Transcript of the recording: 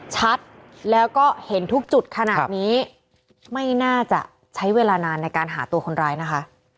ชัดแล้วก็เห็นทุกจุดขนาดนี้ไม่น่าจะใช้เวลานานในการหาตัวคนร้ายนะคะ